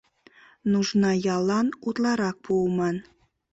Нужна яллан утларак пуыман.